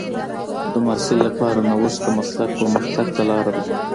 د محصل لپاره نوښت د مسلک پرمختګ ته لار ده.